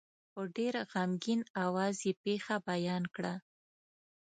په ډېر غمګین آواز یې پېښه بیان کړه.